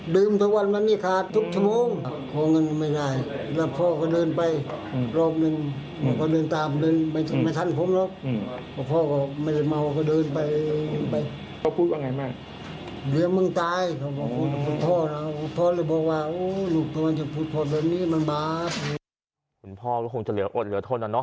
คุณพ่อก็คงจะเหลืออดเหลือทนอะเนาะ